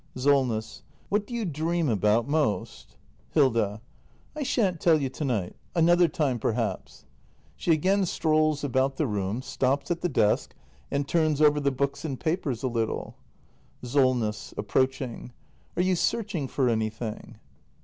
Solness. What do you dream about most ? Hilda. I sha'n't tell you to night. Another time, perhaps. [She again strolls about the room, stops at the desk and turns over the books and papers a little. Solness. [Approaching.] Are you searching for anything?